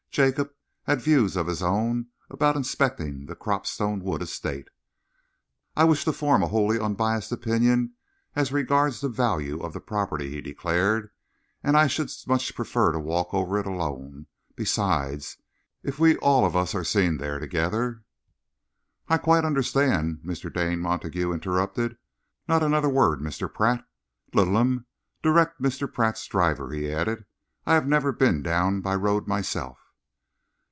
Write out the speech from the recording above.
Jacob had views of his own about inspecting the Cropstone Wood Estate. "I wish to form a wholly unbiased opinion as regards the value of the property," he declared, "and I should much prefer to walk over it alone. Besides, if we are all of us seen there together " "I quite understand," Mr. Dane Montague interrupted. "Not another word, Mr. Pratt. Littleham, direct Mr. Pratt's driver," he added. "I have never been down by road myself."